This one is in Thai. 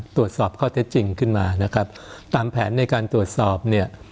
ตรวจสอบข้อเท็จจริงขึ้นมานะครับตามแผนในการตรวจสอบเนี่ย